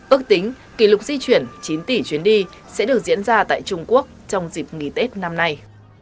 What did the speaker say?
ước tính kỷ lục di chuyển chín tỷ chuyến đi sẽ được diễn ra tại trung quốc trong dịp nghỉ tết năm nay